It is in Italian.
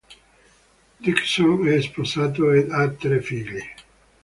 Dickson è sposato ed ha tre figli.